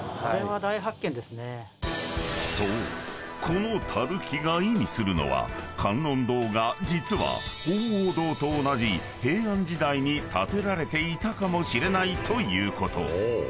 この垂木が意味するのは観音堂が実は鳳凰堂と同じ平安時代に建てられていたかもしれないということ］